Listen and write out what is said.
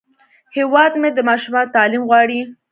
هیواد مې د ماشومانو تعلیم غواړي